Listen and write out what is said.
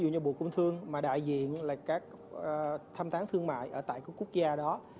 nhà bộ công thương mà đại diện là các thăm tháng thương mại ở tại quốc gia đó